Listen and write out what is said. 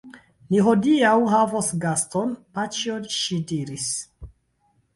Ni hodiaŭ havos gaston, paĉjo, ŝi diris.